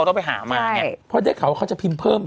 เดี๋ยวเขาจะพิมพ์เพิ่ม